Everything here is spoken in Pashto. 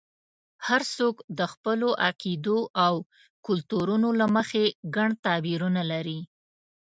هر څوک د خپلو عقیدو او کلتورونو له مخې ګڼ تعبیرونه لري.